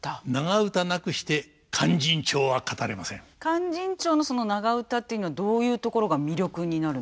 「勧進帳」のその長唄っていうのはどういうところが魅力になるんですか。